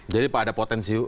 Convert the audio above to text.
jadi pak ada potensi